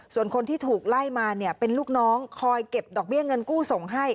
ส่วนคนที่ถูกไล่มาเนี่ยเป็นลูกน้องคอยเก็บดอกเบี้ยเงินกู้ส่งให้